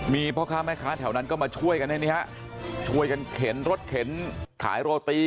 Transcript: มีพ่อค้าแม่ค้าแถวนั้นก็มาช่วยกันให้นี่ฮะช่วยกันเข็นรถเข็นขายโรตี